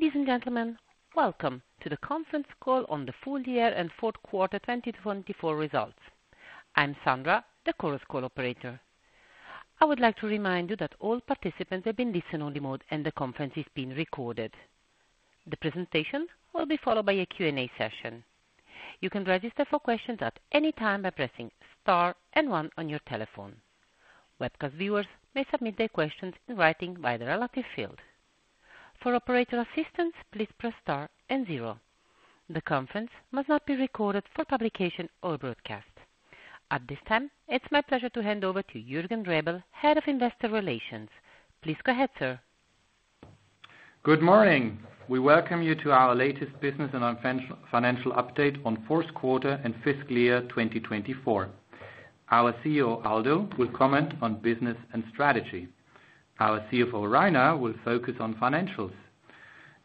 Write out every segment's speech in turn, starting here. Ladies and gentlemen, welcome to the conference call on the full year and fourth quarter 2024 results. I'm Sandra, the Chorus Call operator. I would like to remind you that all participants have been placed in listen-only mode and the conference is being recorded. The presentation will be followed by a Q&A session. You can register for questions at any time by pressing star and one on your telephone. Webcast viewers may submit their questions in writing via the relevant field. For operator assistance, please press star and zero. The conference must not be recorded for publication or broadcast. At this time, it's my pleasure to hand over to Jürgen Rebel, Head of Investor Relations. Please go ahead, sir. Good morning. We welcome you to our latest business and financial update on fourth quarter and fiscal year 2024. Our CEO, Aldo, will comment on business and strategy. Our CFO, Rainer, will focus on financials.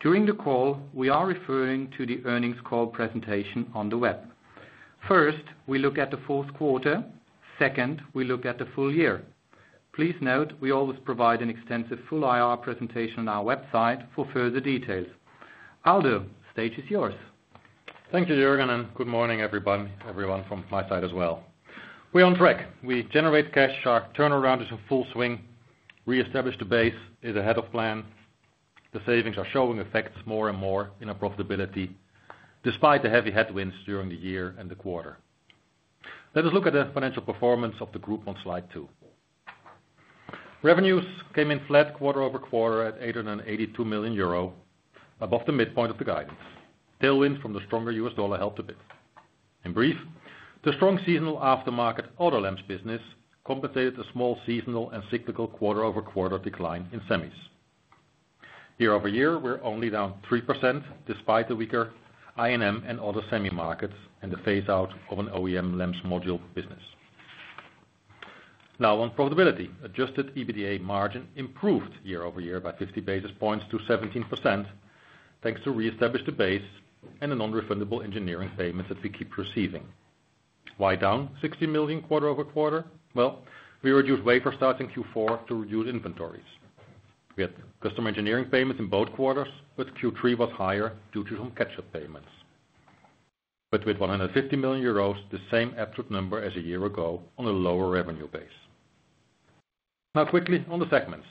During the call, we are referring to the earnings call presentation on the web. First, we look at the fourth quarter. Second, we look at the full year. Please note we always provide an extensive full IR presentation on our website for further details. Aldo, stage is yours. Thank you, Jürgen, and good morning, everybody, everyone from my side as well. We're on track. We generate cash, our turnaround is in full swing, Re-establish the Base is ahead of plan. The savings are showing effects more and more in our profitability despite the heavy headwinds during the year and the quarter. Let us look at the financial performance of the group on slide two. Revenues came in flat quarter-over-quarter at 882 million euro, above the midpoint of the guidance. Tailwinds from the stronger U.S. dollar helped a bit. In brief, the strong seasonal aftermarket auto lamps business compensated a small seasonal and cyclical quarter-over-quarter decline in semis. Year-over-year, we're only down 3% despite the weaker I&M and other semi markets and the phase-out of an OEM lamps module business. Now, on profitability, adjusted EBITDA margin improved year-over-year by 50 basis points to 17% thanks to Re-establish the Base and the non-refundable engineering payments that we keep receiving. Why down 60 million quarter-over-quarter? Well, we reduced wafer starts in Q4 to reduce inventories. We had customer engineering payments in both quarters, but Q3 was higher due to some catch-up payments. But with 150 million euros, the same absolute number as a year ago on a lower revenue base. Now, quickly on the segments.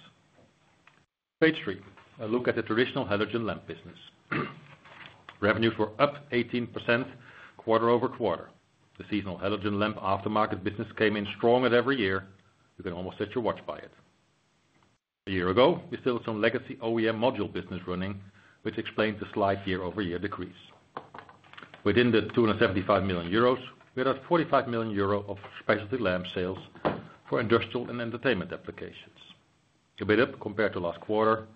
Page three, a look at the traditional halogen lamp business. Revenues were up 18% quarter-over-quarter. The seasonal halogen lamp aftermarket business came in stronger every year. You can almost set your watch by it. A year ago, we still had some legacy OEM module business running, which explained the slight year-over-year decrease. Within the 275 million euros, we had 45 million euro of specialty lamp sales for industrial and entertainment applications. A bit up compared to last quarter,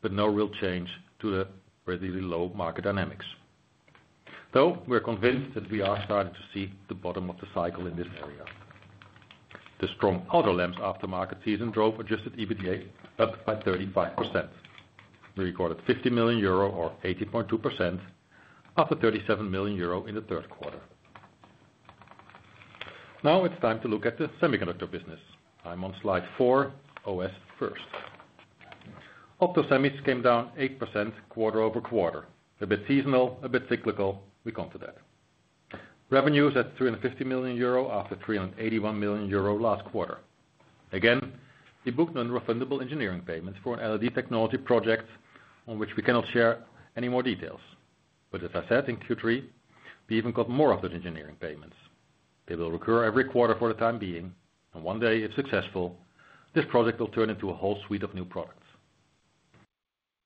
but no real change to the really low market dynamics. Though we're convinced that we are starting to see the bottom of the cycle in this area. The strong auto lamps aftermarket season drove adjusted EBITDA up by 35%. We recorded 50 million euro, or 80.2%, after 37 million euro in the third quarter. Now it's time to look at the semiconductor business. I'm on slide four, OS first. Opto semis came down 8% quarter-over-quarter. A bit seasonal, a bit cyclical, we come to that. Revenues at 350 million euro after 381 million euro last quarter. Again, we booked non-refundable engineering payments for an LED technology project on which we cannot share any more details. But as I said in Q3, we even got more of those engineering payments. They will recur every quarter for the time being, and one day, if successful, this project will turn into a whole suite of new products.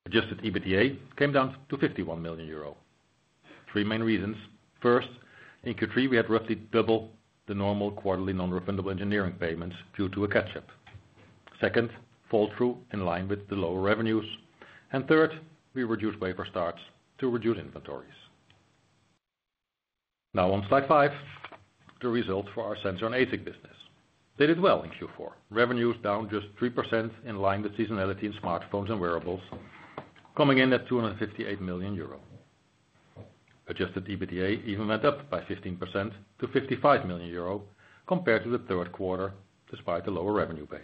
Adjusted EBITDA came down to 51 million euro. Three main reasons. First, in Q3, we had roughly double the normal quarterly non-refundable engineering payments due to a catch-up. Second, flow-through in line with the lower revenues. And third, we reduced wafer starts to reduce inventories. Now, on slide five, the results for our sensor and ASIC business. They did well in Q4. Revenues down just 3% in line with seasonality in smartphones and wearables, coming in at 258 million euro. Adjusted EBITDA even went up by 15% to 55 million euro compared to the third quarter, despite a lower revenue base.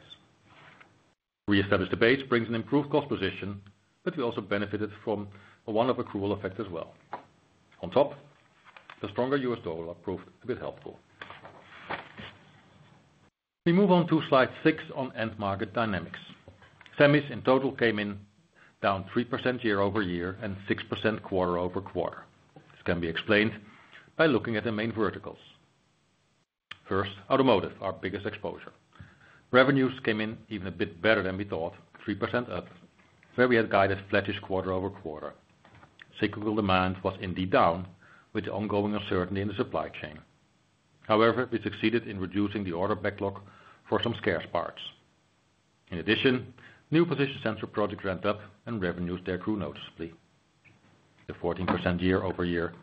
Re-establish the Base brings an improved cost position, but we also benefited from a one-off accrual effect as well. On top, the stronger U.S. dollar proved a bit helpful. We move on to slide six on end market dynamics. Semis in total came in down 3% year-over-year and 6% quarter-over-quarter. This can be explained by looking at the main verticals. First, automotive, our biggest exposure. Revenues came in even a bit better than we thought, 3% up, where we had guided flattish quarter-over-quarter. Cyclical demand was indeed down with ongoing uncertainty in the supply chain. However, we succeeded in reducing the order backlog for some scarce parts. In addition, new position sensor projects ramped up and revenues there grew noticeably. The 14% year-over-year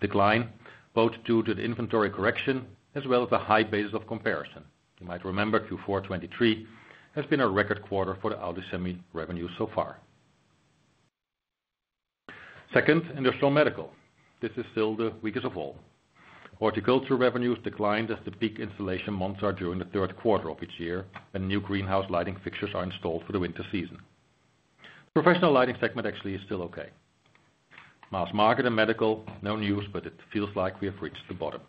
decline was due to the inventory correction as well as the high basis of comparison. You might remember Q4 2023 has been a record quarter for the Audi semi revenues so far. Second, industrial medical. This is still the weakest of all. Horticulture revenues declined as the peak installation months are during the third quarter of each year when new greenhouse lighting fixtures are installed for the winter season. Professional lighting segment actually is still okay. Mass market and medical, no news, but it feels like we have reached the bottom.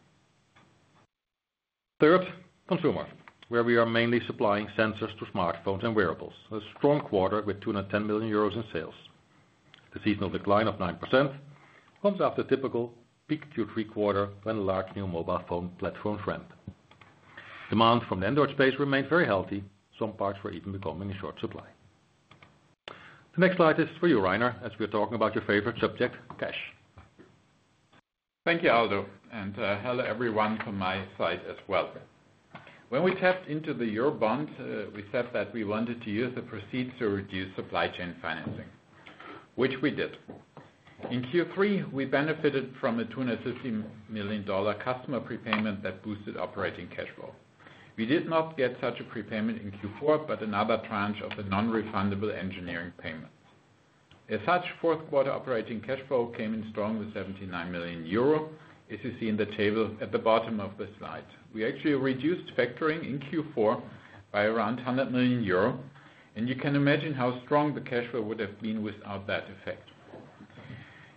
Third, consumer, where we are mainly supplying sensors to smartphones and wearables. A strong quarter with 210 million euros in sales. The seasonal decline of 9% comes after typical peak Q3 quarter when large new mobile phone platforms ramped. Demand from the Android space remained very healthy. Some parts were even becoming in short supply. The next slide is for you, Rainer, as we're talking about your favorite subject, cash. Thank you, Aldo, and hello everyone from my side as well. When we tapped into the Eurobond, we said that we wanted to use the proceeds to reduce supply chain financing, which we did. In Q3, we benefited from a $250 million customer prepayment that boosted operating cash flow. We did not get such a prepayment in Q4, but another tranche of the non-refundable engineering payments. As such, fourth quarter operating cash flow came in strong with 79 million euro, as you see in the table at the bottom of the slide. We actually reduced factoring in Q4 by around 100 million euro, and you can imagine how strong the cash flow would have been without that effect.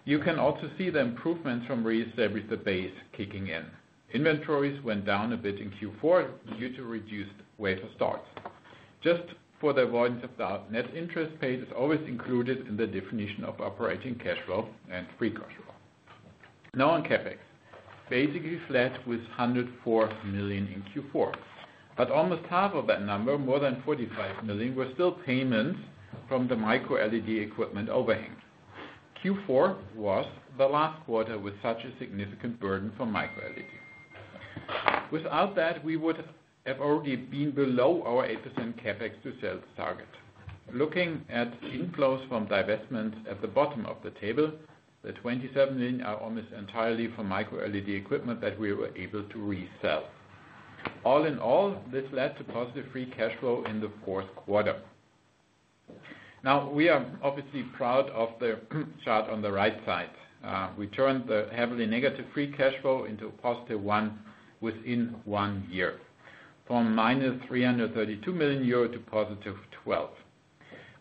You can also see the improvements from Re-establish the Base kicking in. Inventories went down a bit in Q4 due to reduced wafer starts. Just for the avoidance of the net interest paid, it's always included in the definition of operating cash flow and free cash flow. Now on CapEx, basically flat with 104 million in Q4, but almost half of that number, more than 45 million, was still payments from the microLED equipment overhang. Q4 was the last quarter with such a significant burden for microLED. Without that, we would have already been below our 8% CapEx to sell target. Looking at inflows from divestments at the bottom of the table, the 27 million are almost entirely for microLED equipment that we were able to resell. All in all, this led to positive free cash flow in the fourth quarter. Now, we are obviously proud of the chart on the right side. We turned the heavily negative free cash flow into positive one within one year from minus 332 million euro to positive 12 million.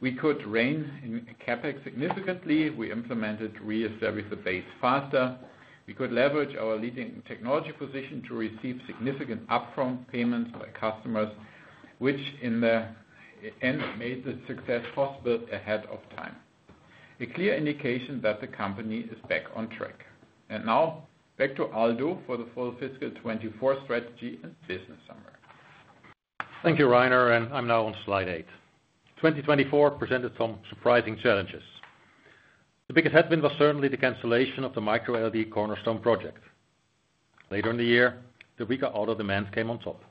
We could rein in CapEx significantly. We implemented Re-establish the Base faster. We could leverage our leading technology position to receive significant upfront payments by customers, which in the end made the success possible ahead of time. A clear indication that the company is back on track. And now, back to Aldo for the full fiscal 2024 strategy and business summary. Thank you, Rainer, and I'm now on slide eight. 2024 presented some surprising challenges. The biggest headwind was certainly the cancellation of the microLED cornerstone project. Later in the year, the weaker auto demands came on top.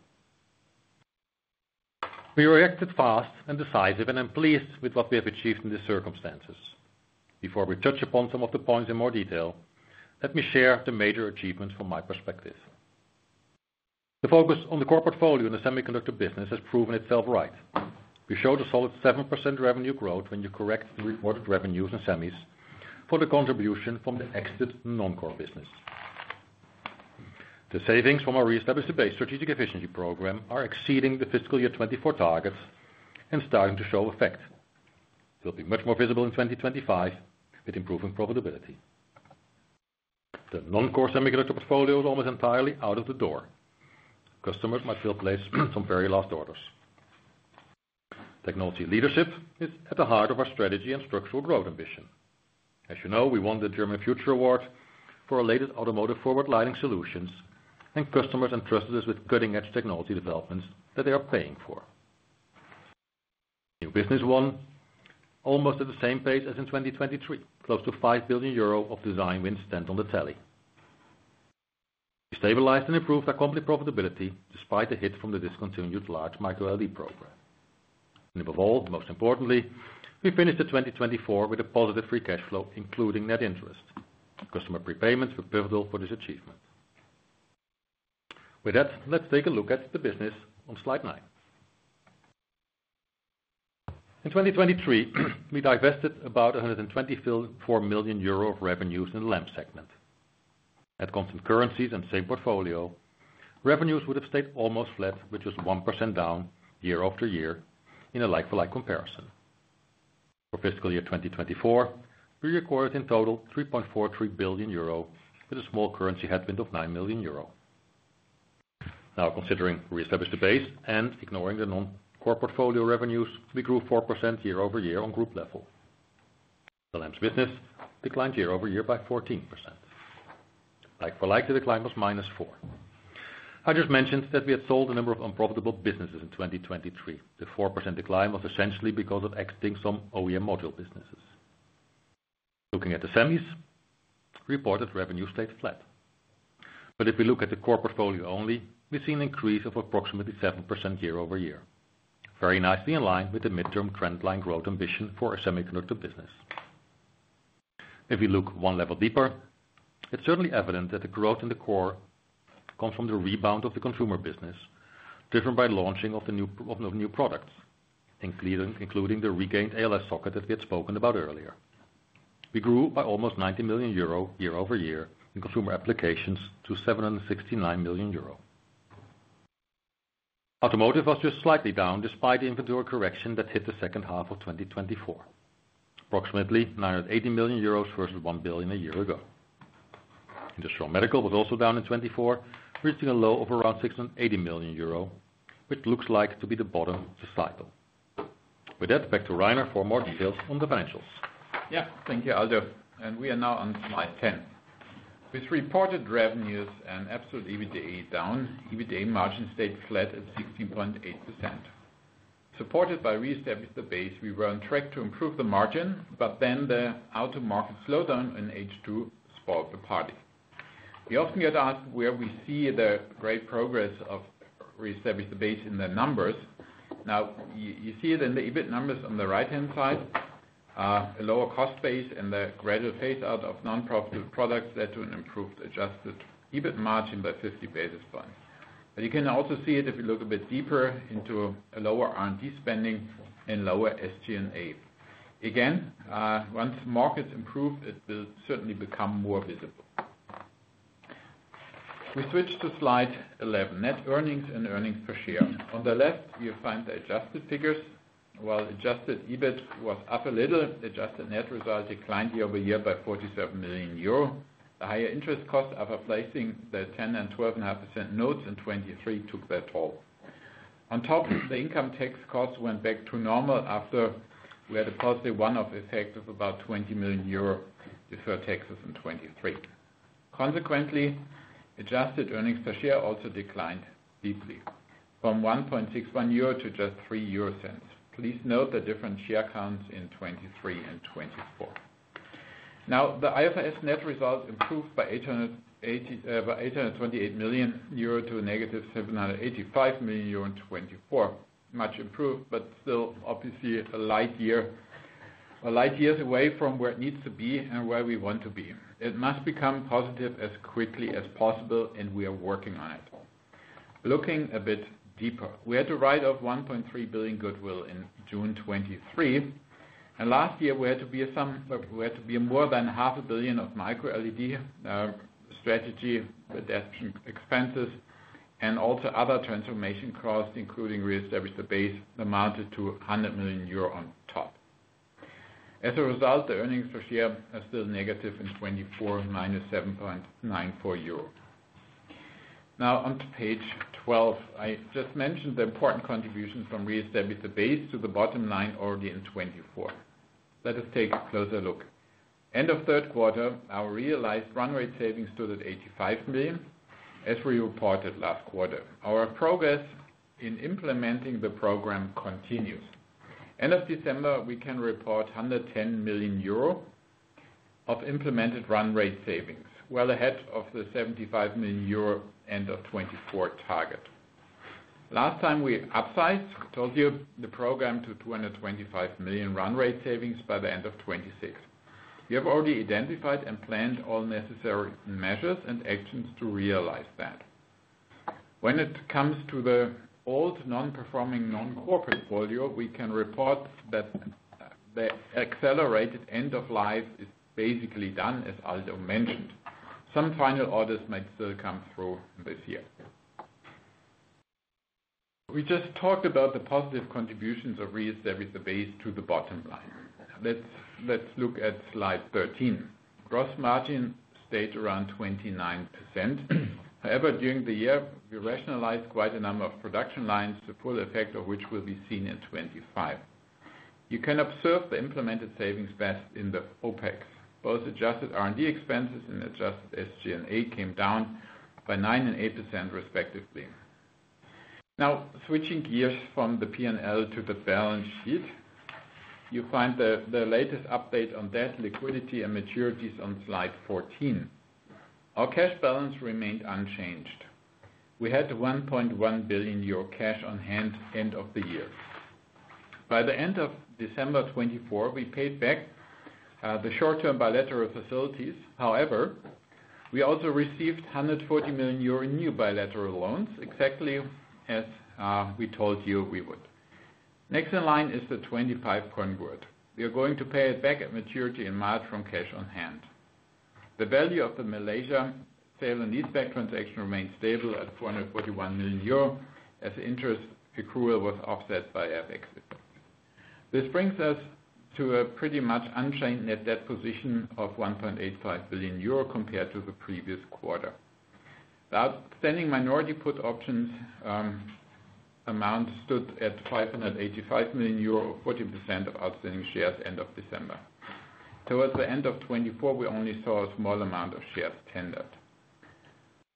We reacted fast and decisive and am pleased with what we have achieved in these circumstances. Before we touch upon some of the points in more detail, let me share the major achievements from my perspective. The focus on the core portfolio in the semiconductor business has proven itself right. We showed a solid 7% revenue growth when you correct the reported revenues in semis for the contribution from the exited non-core business. The savings from our Re-establish the Base strategic efficiency program are exceeding the fiscal year 2024 targets and starting to show effect. They'll be much more visible in 2025 with improving profitability. The non-core semiconductor portfolio is almost entirely out of the door. Customers might still place some very last orders. Technology leadership is at the heart of our strategy and structural growth ambition. As you know, we won the German Future Award for our latest automotive forward lighting solutions, and customers entrusted us with cutting-edge technology developments that they are paying for. New business won, almost at the same pace as in 2023, close to 5 billion euro of design wins stand on the tally. We stabilized and improved our company profitability despite the hit from the discontinued large microLED program, and above all, most importantly, we finished 2024 with a positive free cash flow, including net interest. Customer prepayments were pivotal for this achievement. With that, let's take a look at the business on slide nine. In 2023, we divested about 124 million euro of revenues in the lamp segment. At constant currencies and same portfolio, revenues would have stayed almost flat, which was 1% down year after year in a like-for-like comparison. For fiscal year 2024, we recorded in total 3.43 billion euro with a small currency headwind of 9 million euro. Now, considering Re-establish the Base and ignoring the non-core portfolio revenues, we grew 4% year-over-year on group level. The lamps business declined year-over-year by 14%. Like-for-like, the decline was -4. I just mentioned that we had sold a number of unprofitable businesses in 2023. The 4% decline was essentially because of exiting some OEM module businesses. Looking at the semis, reported revenues stayed flat. But if we look at the core portfolio only, we see an increase of approximately 7% year-over-year, very nicely in line with the midterm trendline growth ambition for a semiconductor business. If we look one level deeper, it's certainly evident that the growth in the core comes from the rebound of the consumer business driven by launching of the new products, including the regained ALS socket that we had spoken about earlier. We grew by almost 90 million euro year-over-year in consumer applications to 769 million euro. Automotive was just slightly down despite the inventory correction that hit the second half of 2024, approximately 980 million euros versus 1 billion a year ago. Industrial medical was also down in 2024, reaching a low of around 680 million euro, which looks like to be the bottom of the cycle. With that, back to Rainer for more details on the financials. Yeah, thank you, Aldo, and we are now on slide 10. With reported revenues and absolute EBITDA down, EBITDA margin stayed flat at 16.8%. Supported by Re-establish the Base, we were on track to improve the margin, but then the end-market slowdown in H2 spoiled the party. We often get asked where we see the great progress of Re-establish the Base in the numbers. Now, you see it in the EBIT numbers on the right-hand side, a lower cost base and the gradual phase-out of non-profitable products led to an improved adjusted EBIT margin by 50 basis points. But you can also see it if you look a bit deeper into lower R&D spending and lower SG&A. Again, once markets improve, it will certainly become more visible. We switched to slide 11, net earnings and earnings per share. On the left, you find the adjusted figures. While adjusted EBIT was up a little, adjusted net result declined year-over-year by 47 million euro. The higher interest costs after placing the 10% and 12.5% notes in 2023 took their toll. On top, the income tax costs went back to normal after we had a positive one-off effect of about 20 million euro before taxes in 2023. Consequently, adjusted earnings per share also declined deeply from 1.61 euro to just 3 euro. Please note the different share counts in 2023 and 2024. Now, the IFRS net result improved by 828 million euro to a negative 785 million euro in 2024, much improved, but still obviously a light year away from where it needs to be and where we want to be. It must become positive as quickly as possible, and we are working on it. Looking a bit deeper, we had a write-off of 1.3 billion goodwill in June 2023. Last year, we had to be more than 500 million of microLED strategy adaptation expenses and also other transformation costs, including Re-establish the Base, amounted to 100 million euro on top. As a result, the earnings per share are still negative in 2024, minus 7.94 euro. Now, on page 12, I just mentioned the important contributions from Re-establish the Base to the bottom line already in 2024. Let us take a closer look. End of third quarter, our realized run rate savings stood at 85 million, as we reported last quarter. Our progress in implementing the program continues. End of December, we can report 110 million euro of implemented run rate savings, well ahead of the 75 million euro end of 2024 target. Last time, we upsized, told you the program to 225 million run rate savings by the end of 2026. We have already identified and planned all necessary measures and actions to realize that. When it comes to the old non-performing non-core portfolio, we can report that the accelerated end of life is basically done, as Aldo mentioned. Some final orders might still come through this year. We just talked about the positive contributions of Re-establish the Base to the bottom line. Let's look at slide 13. Gross margin stayed around 29%. However, during the year, we rationalized quite a number of production lines, the full effect of which will be seen in 2025. You can observe the implemented savings best in the OpEx. Both adjusted R&D expenses and adjusted SG&A came down by 9% and 8%, respectively. Now, switching gears from the P&L to the balance sheet, you find the latest update on debt, liquidity, and maturities on slide 14. Our cash balance remained unchanged. We had 1.1 billion euro cash on hand end of the year. By the end of December 2024, we paid back the short-term bilateral facilities. However, we also received 140 million euro new bilateral loans, exactly as we told you we would. Next in line is the 250 million. We are going to pay it back at maturity in March from cash on hand. The value of the Malaysia sale and leaseback transaction remained stable at 441 million euro, as interest accrual was offset by FX effect. This brings us to a pretty much unchanged net debt position of 1.85 billion euro compared to the previous quarter. The outstanding minority put options amount stood at 585 million euro, or 40% of outstanding shares end of December. Towards the end of 2024, we only saw a small amount of shares tendered.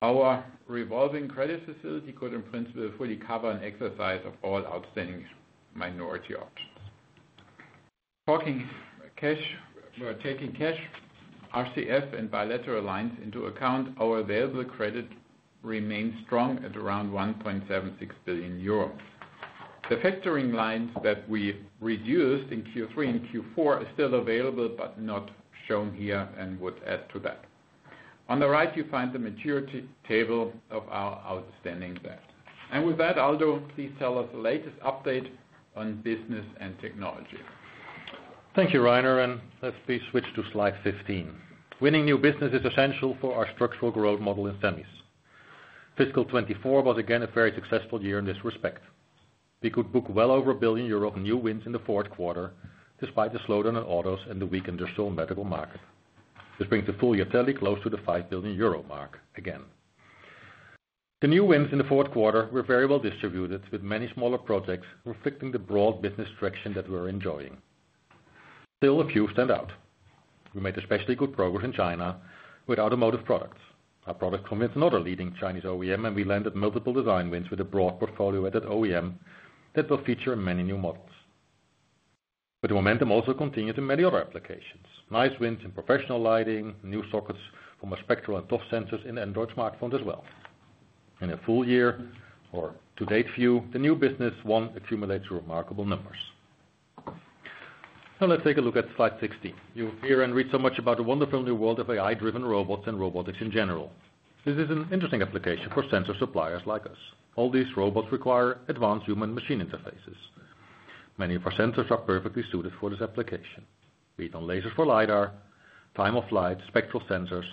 Our revolving credit facility could, in principle, fully cover an exercise of all outstanding minority options. Talking cash, taking cash, RCF, and bilateral lines into account, our available credit remained strong at around 1.76 billion euros. The factoring lines that we reduced in Q3 and Q4 are still available, but not shown here and would add to that. On the right, you find the maturity table of our outstanding debt. And with that, Aldo, please tell us the latest update on business and technology. Thank you, Rainer, and let's please switch to slide 15. Winning new business is essential for our structural growth model in semis. Fiscal 24 was again a very successful year in this respect. We could book well over 1 billion euro of new wins in the fourth quarter, despite the slowdown in autos and the weakened industrial medical market. This brings the full year tally close to the 5 billion euro mark again. The new wins in the fourth quarter were very well distributed, with many smaller projects reflecting the broad business traction that we're enjoying. Still, a few stand out. We made especially good progress in China with automotive products. Our product convinced another leading Chinese OEM, and we landed multiple design wins with a broad portfolio at that OEM that will feature many new models. But the momentum also continued in many other applications. Nice wins in professional lighting, new sockets for more spectral and ToF sensors in Android smartphones as well. In a full-year or to-date view, the new business wins accumulate remarkable numbers. Now, let's take a look at slide 16. You hear and read so much about the wonderful new world of AI-driven robots and robotics in general. This is an interesting application for sensor suppliers like us. All these robots require advanced human-machine interfaces. Many of our sensors are perfectly suited for this application. Be it on lasers for LiDAR, time-of-flight, spectral sensors,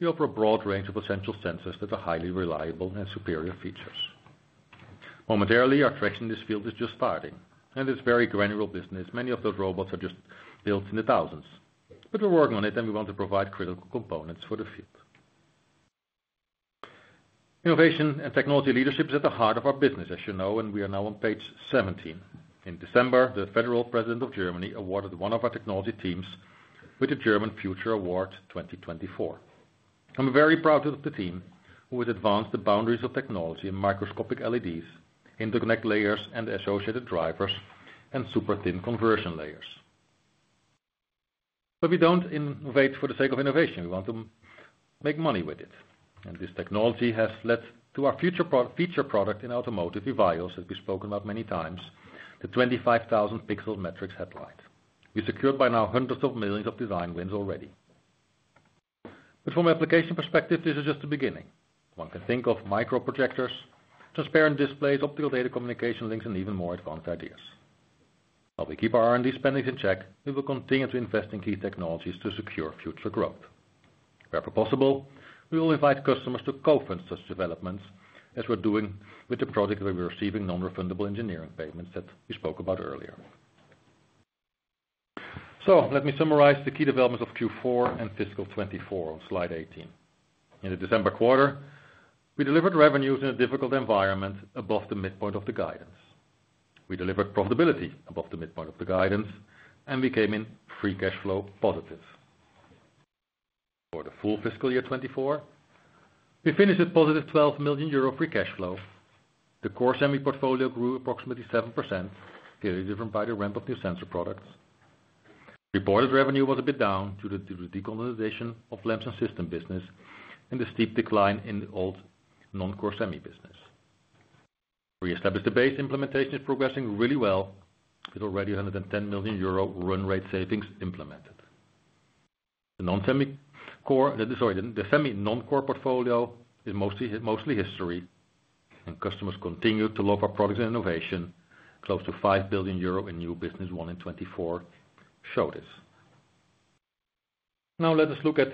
we offer a broad range of essential sensors that are highly reliable and have superior features. Momentarily, our traction in this field is just starting, and it's very granular business. Many of those robots are just built in the thousands. But we're working on it, and we want to provide critical components for the field. Innovation and technology leadership is at the heart of our business, as you know, and we are now on page 17. In December, the Federal President of Germany awarded one of our technology teams with the German Future Award 2024. I'm very proud of the team who has advanced the boundaries of technology in microLEDs, interconnect layers, and associated drivers and super thin conversion layers, but we don't innovate for the sake of innovation. We want to make money with it, and this technology has led to our future product in automotive EVIYOS, as we've spoken about many times, the 25,000-pixel Matrix headlight. We secured by now hundreds of millions of design wins already. But from an application perspective, this is just the beginning. One can think of microprojectors, transparent displays, optical data communication links, and even more advanced ideas. While we keep our R&D spending in check, we will continue to invest in key technologies to secure future growth. Wherever possible, we will invite customers to co-finance such developments, as we're doing with the project where we're receiving non-refundable engineering payments that we spoke about earlier. So let me summarize the key developments of Q4 and fiscal 2024 on slide 18. In the December quarter, we delivered revenues in a difficult environment above the midpoint of the guidance. We delivered profitability above the midpoint of the guidance, and we came in free cash flow positive. For the full fiscal year 2024, we finished at positive 12 million euro free cash flow. The core semi portfolio grew approximately 7%, clearly driven by the ramp of new sensor products. Reported revenue was a bit down due to the deconsolidation of lamps and systems business and the steep decline in old non-core semi business. We re-established the base. Implementation is progressing really well with already 110 million euro run rate savings implemented. The non-core semi, sorry, the semi non-core portfolio is mostly history, and customers continue to love our products and innovation. Close to 5 billion euro in new business won in 2024 showed this. Now, let us look at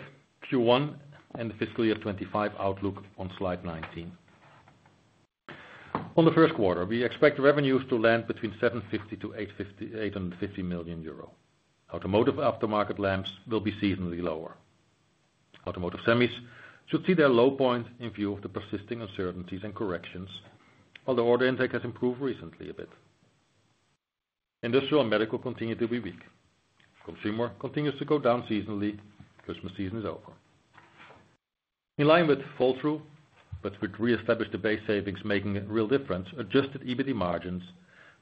Q1 and the fiscal year 2025 outlook on slide 19. On the first quarter, we expect revenues to land between 750 million-850 million euro. Automotive aftermarket lamps will be seasonally lower. Automotive semis should see their low point in view of the persisting uncertainties and corrections, although order intake has improved recently a bit. Industrial and medical continue to be weak. Consumer continues to go down seasonally. Christmas season is over. In line with fall-through, but with Re-establish the Base savings making a real difference, adjusted EBITDA margins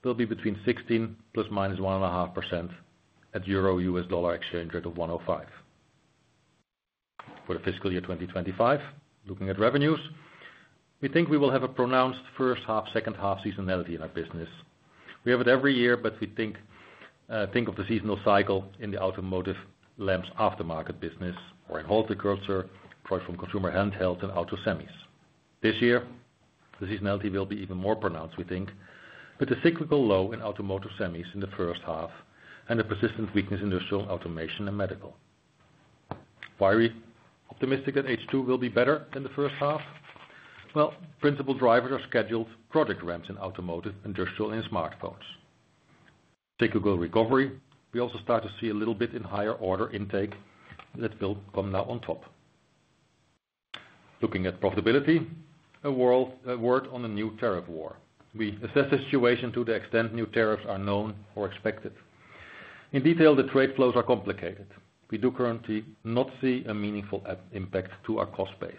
will be between 16% ± 1.5% at EUR/USD exchange rate of 1.05. For the fiscal year 2025, looking at revenues, we think we will have a pronounced first half, second half seasonality in our business. We have it every year, but we think of the seasonal cycle in the automotive lamps aftermarket business or in horticulture, platform consumer handhelds, and auto semis. This year, the seasonality will be even more pronounced, we think, with the cyclical low in automotive semis in the first half and the persistent weakness in industrial automation and medical. Why are we optimistic that H2 will be better than the first half? Well, principal drivers are scheduled project ramps in automotive, industrial, and smartphones. Cyclical recovery. We also start to see a little bit in higher order intake that will come now on top. Looking at profitability, a word on the new tariff war. We assess the situation to the extent new tariffs are known or expected. In detail, the trade flows are complicated. We do currently not see a meaningful impact to our cost base.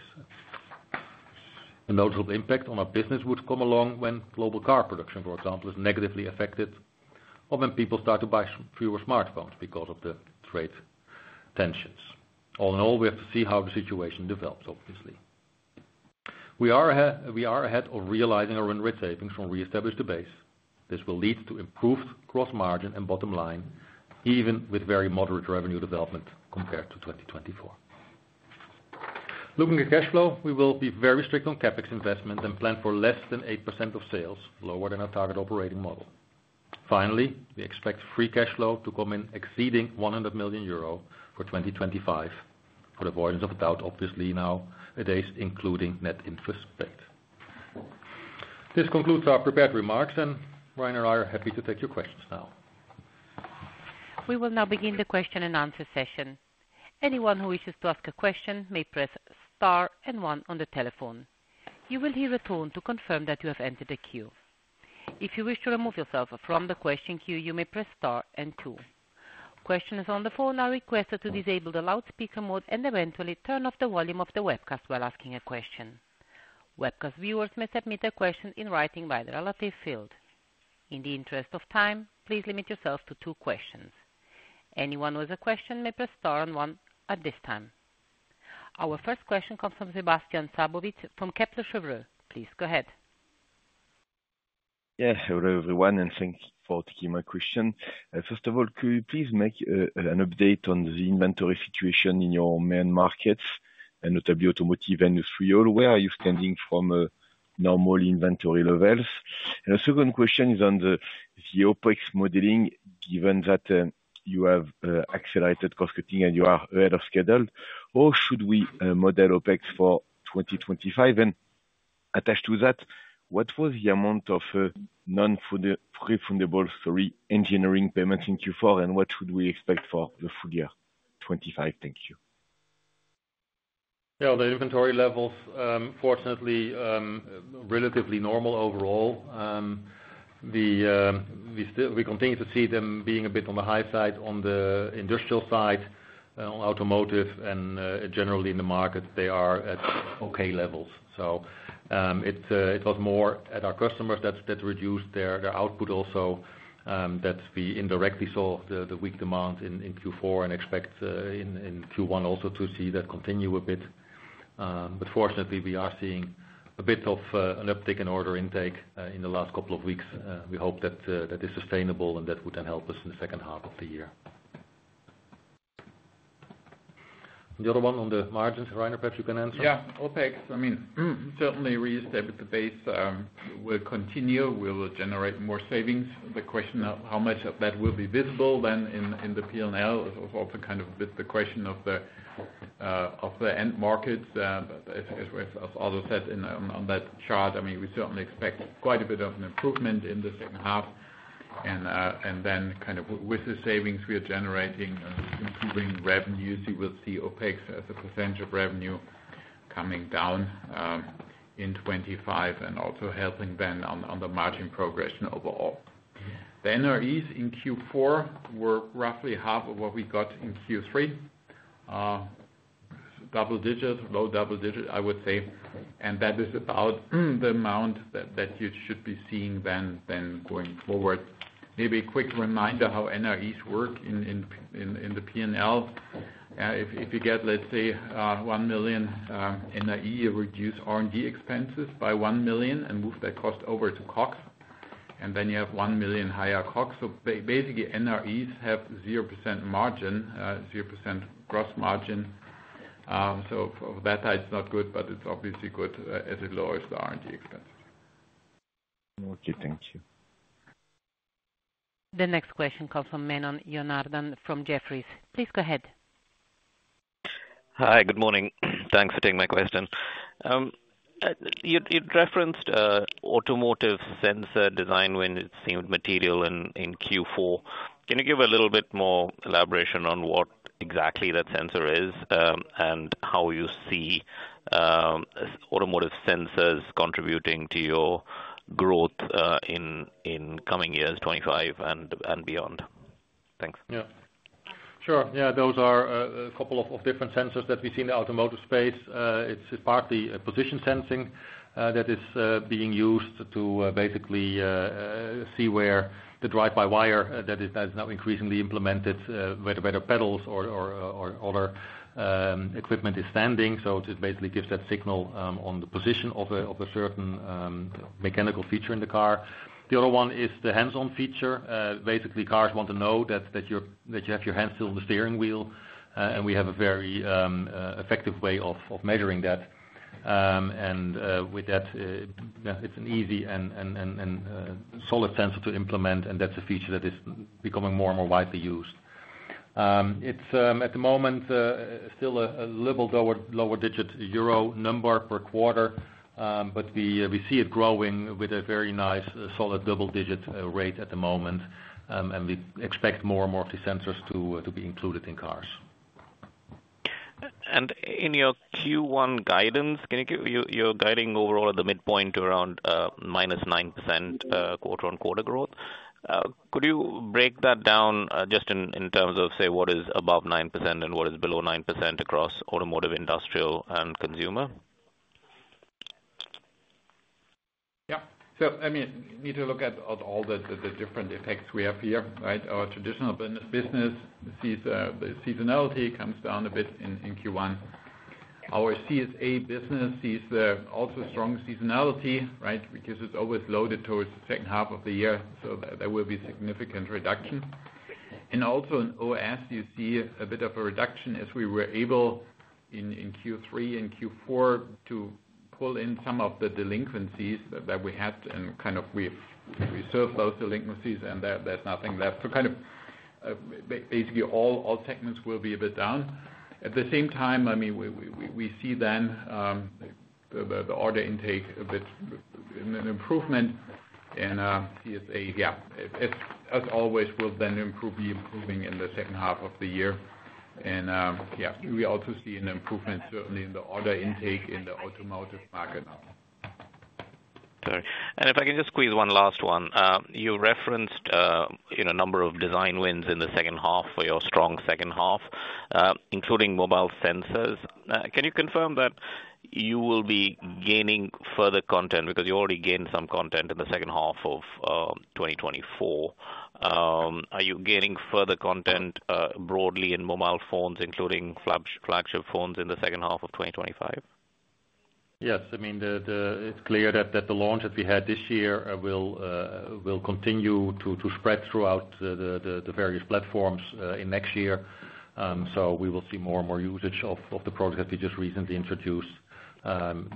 A noticeable impact on our business would come along when global car production, for example, is negatively affected or when people start to buy fewer smartphones because of the trade tensions. All in all, we have to see how the situation develops, obviously. We are ahead of realizing our run rate savings from Re-establish the Base. This will lead to improved gross margin and bottom line, even with very moderate revenue development compared to 2024. Looking at cash flow, we will be very strict on CapEx investment and plan for less than 8% of sales, lower than our target operating model. Finally, we expect free cash flow to come in exceeding 100 million euro for 2025 for the avoidance of doubt, obviously, nowadays, including net interest rate. This concludes our prepared remarks, and Rainer and I are happy to take your questions now. We will now begin the question-and-answer session. Anyone who wishes to ask a question may press star and one on the telephone. You will hear a tone to confirm that you have entered the queue. If you wish to remove yourself from the question queue, you may press star and two. Questioners on the phone are requested to disable the loudspeaker mode and eventually turn off the volume of the webcast while asking a question. Webcast viewers may submit a question in writing by the relative field. In the interest of time, please limit yourself to two questions. Anyone with a question may press star and one at this time. Our first question comes from Sébastien Sztabowicz from Kepler Cheuvreux. Please go ahead. Yes, hello everyone, and thanks for taking my question. First of all, could you please make an update on the inventory situation in your main markets, notably automotive and industrial? Where are you standing from normal inventory levels? And the second question is on the OpEx modeling, given that you have accelerated cost cutting and you are ahead of schedule. How should we model OpEx for 2025? And attached to that, what was the amount of non-refundable engineering payments in Q4, and what should we expect for the full year 2025? Thank you. Yeah, the inventory levels, fortunately, relatively normal overall. We continue to see them being a bit on the high side on the industrial side, automotive, and generally in the market, they are at okay levels. So it was more at our customers that reduced their output also, that we indirectly saw the weak demand in Q4 and expect in Q1 also to see that continue a bit. But fortunately, we are seeing a bit of an uptick in order intake in the last couple of weeks. We hope that is sustainable and that would then help us in the second half of the year. The other one on the margins, Rainer, perhaps you can answer. Yeah, OpEx, I mean, certainly Re-establish the Base will continue. We will generate more savings. The question of how much of that will be visible then in the P&L is also kind of a bit the question of the end markets. As Aldo said on that chart, I mean, we certainly expect quite a bit of an improvement in the second half. And then kind of with the savings we are generating, improving revenues, you will see OpEx as a percentage of revenue coming down in 2025 and also helping then on the margin progression overall. The NREs in Q4 were roughly half of what we got in Q3, double digit, low double digit, I would say. And that is about the amount that you should be seeing then going forward. Maybe a quick reminder how NREs work in the P&L. If you get, let's say, 1 million, NRE reduces R&D expenses by 1 million and moves that cost over to COGS. And then you have 1 million higher COGS. So basically, NREs have 0% margin, 0% gross margin. So for that, it's not good, but it's obviously good as it lowers the R&D expenses. Thank you. The next question comes from Menon Janardan from Jefferies. Please go ahead. Hi, good morning. Thanks for taking my question. You referenced automotive sensor design when it seemed material in Q4. Can you give a little bit more elaboration on what exactly that sensor is and how you see automotive sensors contributing to your growth in coming years 2025 and beyond? Thanks. Yeah. Sure. Yeah, those are a couple of different sensors that we see in the automotive space. It's partly position sensing that is being used to basically see where the drive-by-wire that is now increasingly implemented, whether pedals or other equipment is standing. So it basically gives that signal on the position of a certain mechanical feature in the car. The other one is the hands-on feature. Basically, cars want to know that you have your hands still on the steering wheel. And we have a very effective way of measuring that. And with that, it's an easy and solid sensor to implement, and that's a feature that is becoming more and more widely used. It's at the moment still a little low single-digit euro number per quarter, but we see it growing with a very nice solid double-digit rate at the moment. We expect more and more of these sensors to be included in cars. In your Q1 guidance, you're guiding overall at the midpoint around -9% quarter-on-quarter growth. Could you break that down just in terms of, say, what is above 9% and what is below 9% across automotive, industrial, and consumer? Yeah. So I mean, you need to look at all the different effects we have here, right? Our traditional business sees the seasonality comes down a bit in Q1. Our CSA business sees also strong seasonality, right, because it's always loaded towards the second half of the year. So there will be significant reduction. And also in OS, you see a bit of a reduction as we were able in Q3 and Q4 to pull in some of the delinquencies that we had, and kind of we've reserved those delinquencies, and there's nothing left. So kind of basically all segments will be a bit down. At the same time, I mean, we see then the order intake a bit in an improvement in CSA. Yeah, as always, we'll then be improving in the second half of the year. Yeah, we also see an improvement certainly in the order intake in the automotive market now. Sorry. And if I can just squeeze one last one. You referenced a number of design wins in the second half for your strong second half, including mobile sensors. Can you confirm that you will be gaining further content because you already gained some content in the second half of 2024? Are you gaining further content broadly in mobile phones, including flagship phones in the second half of 2025? Yes. I mean, it's clear that the launch that we had this year will continue to spread throughout the various platforms in next year. So we will see more and more usage of the products that we just recently introduced,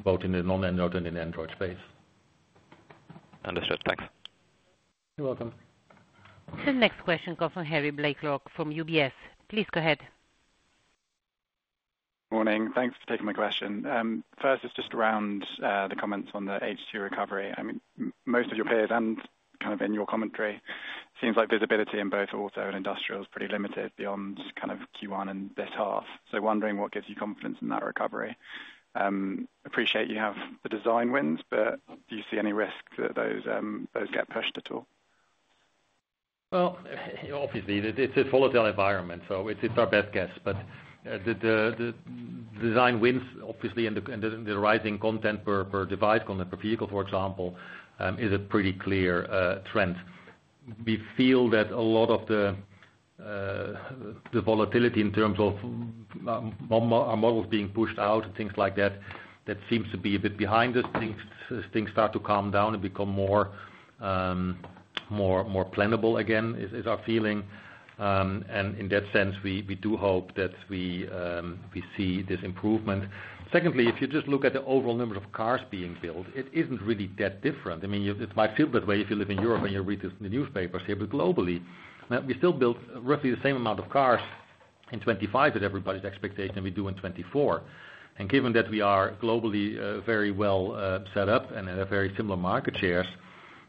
both in the non-Android and in Android space. Understood. Thanks. You're welcome. The next question comes from Harry Blaiklock from UBS. Please go ahead. Morning. Thanks for taking my question. First, it's just around the comments on the H2 recovery. I mean, most of your peers and kind of in your commentary, it seems like visibility in both auto and industrial is pretty limited beyond kind of Q1 and this half. So wondering what gives you confidence in that recovery. Appreciate you have the design wins, but do you see any risk that those get pushed at all? Obviously, it's a volatile environment, so it's our best guess. The design wins, obviously, and the rising content per device, content per vehicle, for example, is a pretty clear trend. We feel that a lot of the volatility in terms of our models being pushed out and things like that, that seems to be a bit behind us. Things start to calm down and become more plannable again is our feeling. In that sense, we do hope that we see this improvement. Secondly, if you just look at the overall number of cars being built, it isn't really that different. I mean, it might feel that way if you live in Europe and you read the newspapers here, but globally, we still built roughly the same amount of cars in 2025 as everybody's expectation we do in 2024. And given that we are globally very well set up and have very similar market shares,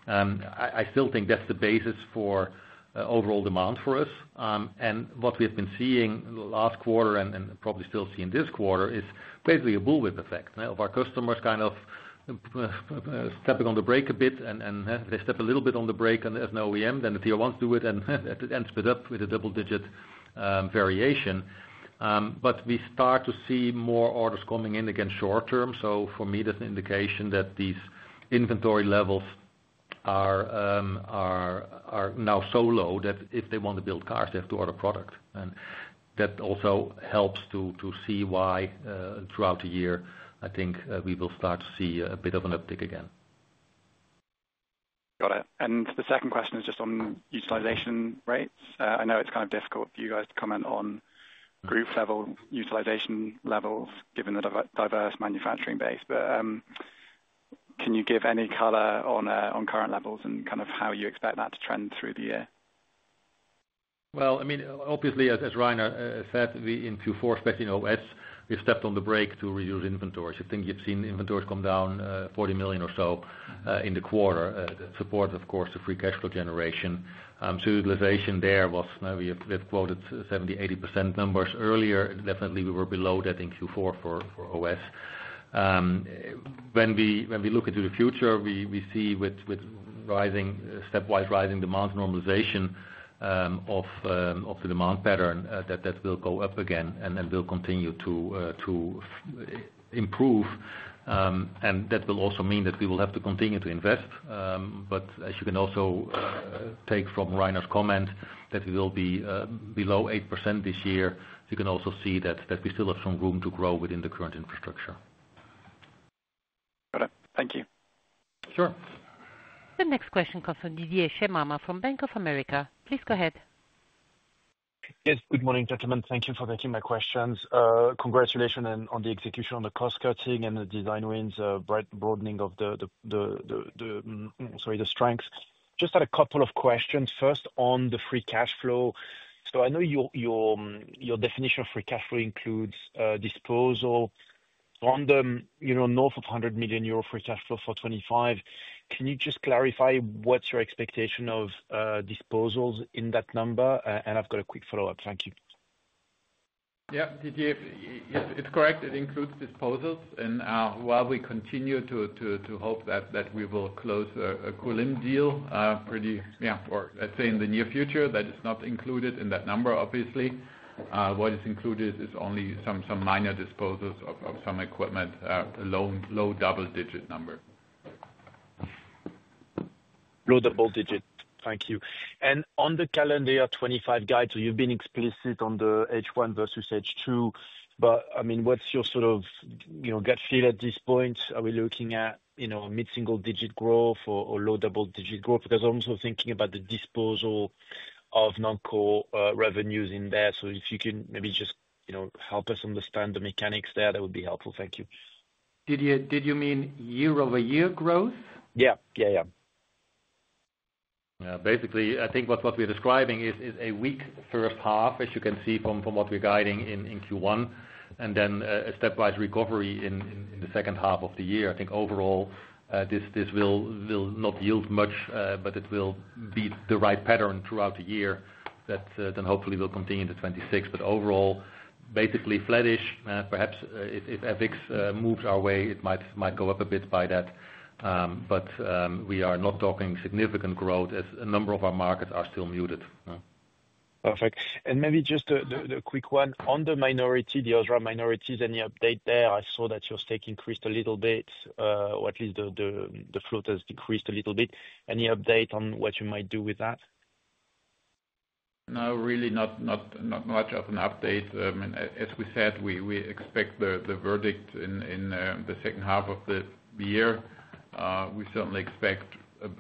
I still think that's the basis for overall demand for us. And what we have been seeing last quarter and probably still seeing this quarter is basically a bullwhip effect of our customers kind of stepping on the brake a bit. And if they step a little bit on the brake and there's no OEM, then the Tier 1s do it, and it ends up with a double-digit variation. But we start to see more orders coming in again short term. So for me, that's an indication that these inventory levels are now so low that if they want to build cars, they have to order product. And that also helps to see why throughout the year, I think we will start to see a bit of an uptick again. Got it. And the second question is just on utilization rates. I know it's kind of difficult for you guys to comment on group level utilization levels given the diverse manufacturing base. But can you give any color on current levels and kind of how you expect that to trend through the year? I mean, obviously, as Rainer said, in Q4, especially in OS, we stepped on the brake to reduce inventories. I think you've seen inventories come down 40 million or so in the quarter. That supports, of course, the free cash flow generation. So utilization there was. We have quoted 70%-80% numbers earlier. Definitely, we were below that in Q4 for OS. When we look into the future, we see with stepwise rising demand normalization of the demand pattern that that will go up again and will continue to improve. And that will also mean that we will have to continue to invest. But as you can also take from Rainer's comment that we will be below 8% this year, you can also see that we still have some room to grow within the current infrastructure. Got it. Thank you. Sure. The next question comes from Didier Scemama from Bank of America. Please go ahead. Yes, good morning, gentlemen. Thank you for taking my questions. Congratulations on the execution on the cost cutting and the design wins, broadening of the, sorry, the strengths. Just had a couple of questions. First, on the free cash flow. So I know your definition of free cash flow includes disposal. On the north of 100 million euro free cash flow for 2025, can you just clarify what's your expectation of disposals in that number? And I've got a quick follow-up. Thank you. Yeah, Didier, it's correct. It includes disposals. And while we continue to hope that we will close a Kulim deal pretty, yeah, or let's say in the near future, that it's not included in that number, obviously. What is included is only some minor disposals of some equipment, low double-digit number. Low double-digit. Thank you. And on the calendar year 2025 guide, so you've been explicit on the H1 versus H2, but I mean, what's your sort of gut feel at this point? Are we looking at mid-single-digit growth or low double-digit growth? Because I'm also thinking about the disposal of non-core revenues in there. So if you can maybe just help us understand the mechanics there, that would be helpful. Thank you. Did you mean year-over-year growth? Yeah. Yeah, yeah. Yeah. Basically, I think what we're describing is a weak first half, as you can see from what we're guiding in Q1, and then a stepwise recovery in the second half of the year. I think overall, this will not yield much, but it will be the right pattern throughout the year that then hopefully will continue into 2026. But overall, basically flattish. Perhaps if EVIYOS moves our way, it might go up a bit by that. But we are not talking significant growth as a number of our markets are still muted. Perfect. And maybe just a quick one on the minority, the other minorities, any update there? I saw that your stake increased a little bit, or at least the float has decreased a little bit. Any update on what you might do with that? No, really not much of an update. I mean, as we said, we expect the verdict in the second half of the year. We certainly expect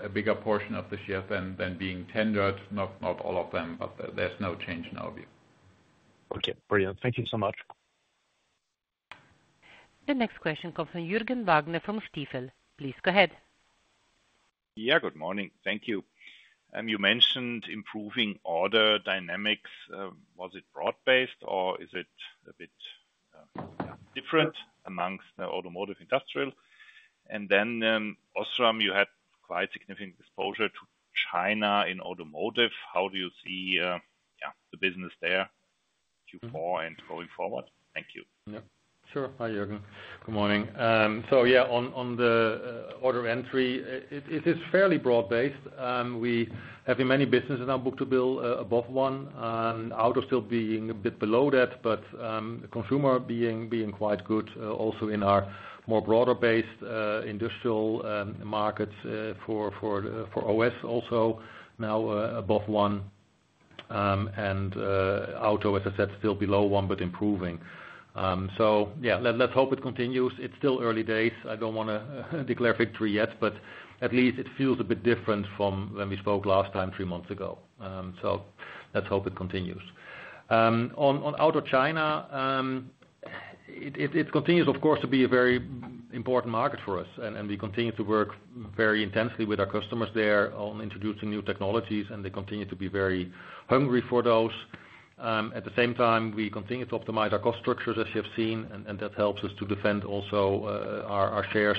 a bigger portion of the shares than being tendered, not all of them, but there's no change in our view. Okay. Brilliant. Thank you so much. The next question comes from Jürgen Wagner from Stifel. Please go ahead. Yeah, good morning. Thank you. You mentioned improving order dynamics. Was it broad-based, or is it a bit different among the automotive industrial? And then OSRAM, you had quite significant exposure to China in automotive. How do you see the business there Q4 and going forward? Thank you. Sure. Hi, Jürgen. Good morning. So yeah, on the order entry, it is fairly broad-based. We have many businesses now booked to build above one, auto still being a bit below that, but consumer being quite good also in our more broader-based industrial markets for OS also now above one. And auto, as I said, still below one, but improving. So yeah, let's hope it continues. It's still early days. I don't want to declare victory yet, but at least it feels a bit different from when we spoke last time, three months ago. So let's hope it continues. On auto China, it continues, of course, to be a very important market for us. And we continue to work very intensely with our customers there on introducing new technologies, and they continue to be very hungry for those. At the same time, we continue to optimize our cost structures, as you have seen, and that helps us to defend also our shares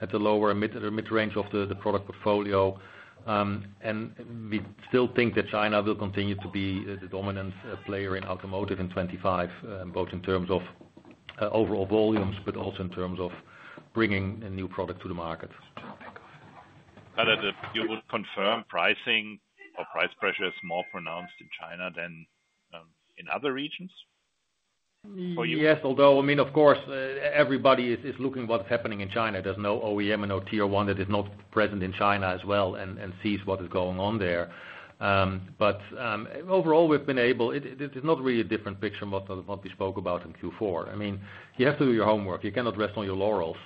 at the lower and mid-range of the product portfolio, and we still think that China will continue to be the dominant player in automotive in 2025, both in terms of overall volumes, but also in terms of bringing a new product to the market. You would confirm pricing or price pressure is more pronounced in China than in other regions? Yes, although, I mean, of course, everybody is looking at what's happening in China. There's no OEM and no Tier 1 that is not present in China as well and sees what is going on there. But overall, we've been. It's not really a different picture from what we spoke about in Q4. I mean, you have to do your homework. You cannot rest on your laurels.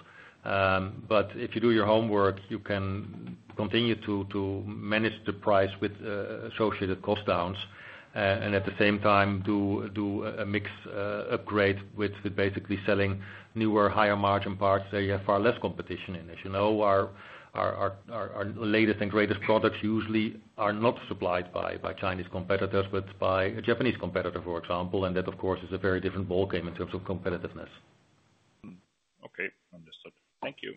But if you do your homework, you can continue to manage the price with associated cost downs and at the same time do a mixed upgrade with basically selling newer, higher margin parts that you have far less competition in. As you know, our latest and greatest products usually are not supplied by Chinese competitors, but by a Japanese competitor, for example. And that, of course, is a very different ballgame in terms of competitiveness. Okay. Understood. Thank you.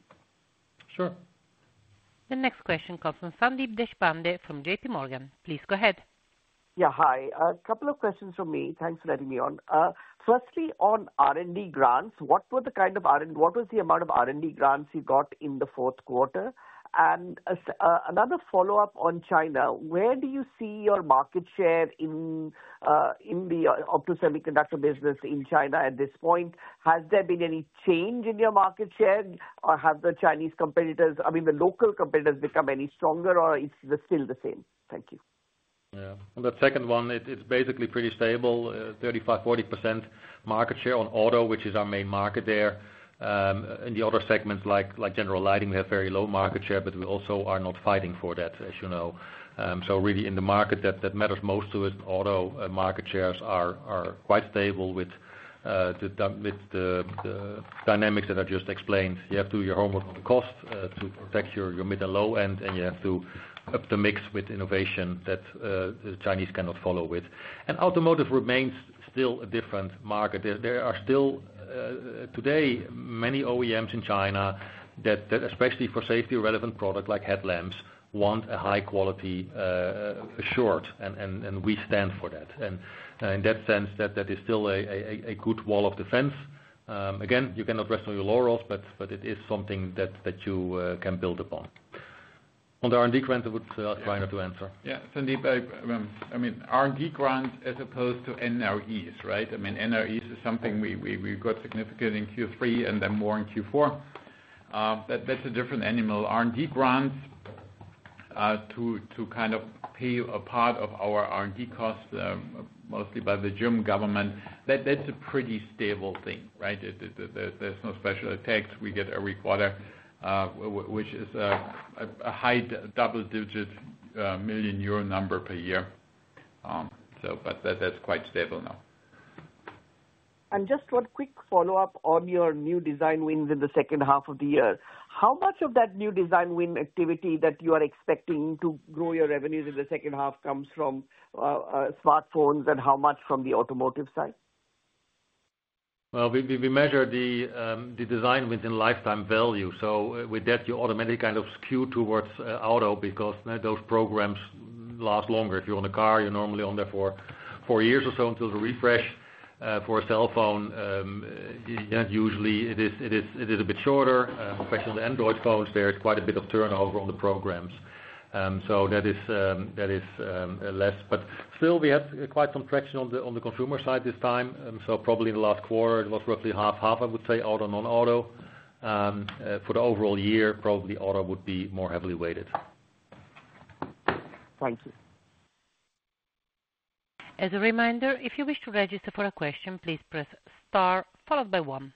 Sure. The next question comes from Sandeep Deshpande from JPMorgan. Please go ahead. Yeah, hi. A couple of questions for me. Thanks for letting me on. Firstly, on R&D grants, what was the amount of R&D grants you got in the fourth quarter? And another follow-up on China. Where do you see your market share in the opto-semiconductor business in China at this point? Has there been any change in your market share, or have the Chinese competitors, I mean, the local competitors, become any stronger, or is it still the same? Thank you. Yeah. And the second one, it's basically pretty stable, 35%-40% market share on auto, which is our main market there. In the other segments, like general lighting, we have very low market share, but we also are not fighting for that, as you know. So really, in the market that matters most to us, auto market shares are quite stable with the dynamics that I just explained. You have to do your homework on the cost to protect your mid and low end, and you have to up the mix with innovation that the Chinese cannot follow with. And automotive remains still a different market. There are still today many OEMs in China that, especially for safety-relevant products like headlamps, want a high-quality assured, and we stand for that. And in that sense, that is still a good wall of defense. Again, you cannot rest on your laurels, but it is something that you can build upon. On the R&D grant, I would like Rainer to answer. Yeah. Sandeep, I mean, R&D grants as opposed to NREs, right? I mean, NREs is something we got significant in Q3 and then more in Q4. That's a different animal. R&D grants to kind of pay a part of our R&D costs, mostly by the German government, that's a pretty stable thing, right? There's no special effects. We get every quarter, which is a high double-digit million euro number per year, but that's quite stable now. Just one quick follow-up on your new design win in the second half of the year. How much of that new design win activity that you are expecting to grow your revenues in the second half comes from smartphones and how much from the automotive side? We measure the design within lifetime value. So with that, you automatically kind of skew towards auto because those programs last longer. If you're on a car, you're normally on there for four years or so until the refresh. For a cell phone, usually it is a bit shorter. Especially on the Android phones, there is quite a bit of turnover on the programs. So that is less. But still, we have quite some traction on the consumer side this time. So probably in the last quarter, it was roughly half-half, I would say, auto, non-auto. For the overall year, probably auto would be more heavily weighted. Thank you. As a reminder, if you wish to register for a question, please press star followed by one.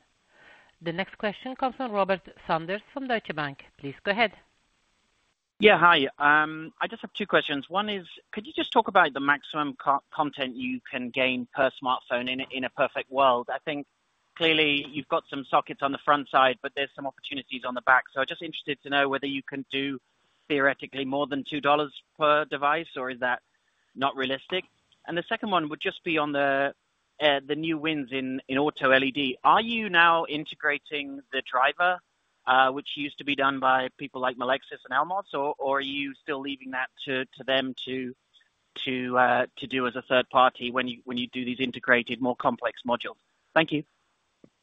The next question comes from Robert Sanders from Deutsche Bank. Please go ahead. Yeah, hi. I just have two questions. One is, could you just talk about the maximum content you can gain per smartphone in a perfect world? I think clearly you've got some sockets on the front side, but there's some opportunities on the back. So I'm just interested to know whether you can do theoretically more than $2 per device, or is that not realistic? And the second one would just be on the new wins in auto LED. Are you now integrating the driver, which used to be done by people like Melexis and Elmos, or are you still leaving that to them to do as a third party when you do these integrated, more complex modules? Thank you.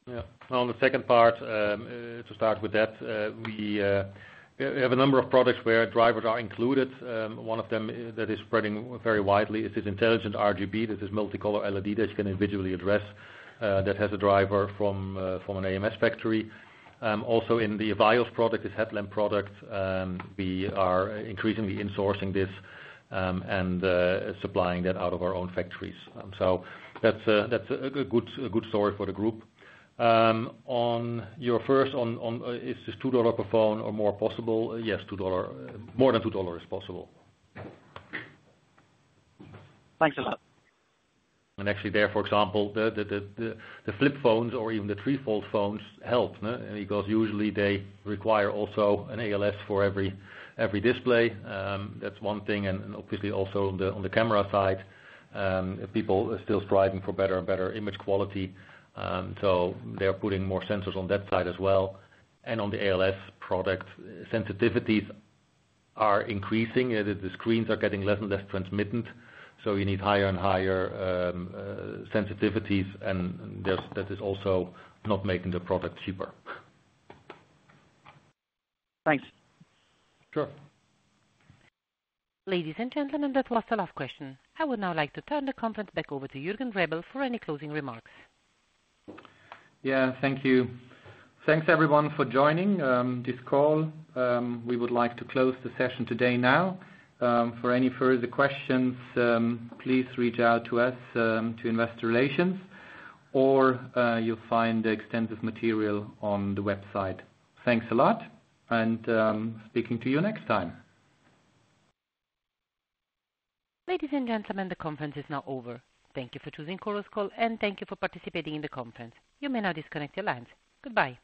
Yeah. On the second part, to start with that, we have a number of products where drivers are included. One of them that is spreading very widely is this intelligent RGB, this multicolor LED that you can individually address that has a driver from an ams factory. Also in the EVIYOS product, this headlamp product, we are increasingly insourcing this and supplying that out of our own factories. So that's a good story for the group. On your first, is this $2 per phone or more possible? Yes, more than $2 is possible. Thanks a lot. Actually there, for example, the flip phones or even the three-fold phones help because usually they require also an ALS for every display. That's one thing. Obviously also on the camera side, people are still striving for better and better image quality. They are putting more sensors on that side as well. On the ALS product, sensitivities are increasing. The screens are getting less and less transmissive. You need higher and higher sensitivities, and that is also not making the product cheaper. Thanks. Sure. Ladies and gentlemen, that was the last question. I would now like to turn the conference back over to Jürgen Rebel for any closing remarks. Yeah. Thank you. Thanks, everyone, for joining this call. We would like to close the session today now. For any further questions, please reach out to us to Investor Relations, or you'll find extensive material on the website. Thanks a lot, and speaking to you next time. Ladies and gentlemen, the conference is now over. Thank you for choosing Chorus Call, and thank you for participating in the conference. You may now disconnect your lines. Goodbye.